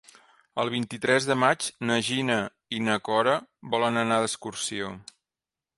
El vint-i-tres de maig na Gina i na Cora volen anar d'excursió.